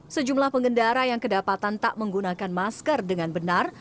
sejumlah pengendara yang kedapatan tak menggunakan masker dengan benar